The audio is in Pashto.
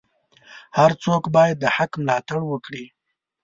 هر څوک باید د حق ملاتړ وکړي.